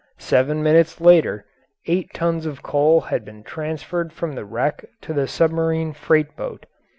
Seven minutes later eight tons of coal had been transferred from the wreck to the submarine freight boat.